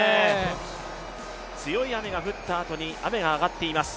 強い雨が降ったあとに雨が上がっています。